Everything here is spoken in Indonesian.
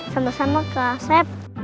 sama sama kak sepp